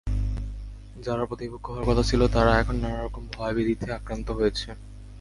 যারা প্রতিপক্ষ হওয়ার কথা ছিল, তারা এখন নানা রকম ভয়-ব্যাধিতে আক্রান্ত হয়েছে।